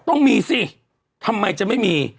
ต้องมีสิทำไมจะไม่มี